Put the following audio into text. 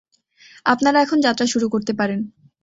আপনারা এখন যাত্রা শুরু করতে পারেন।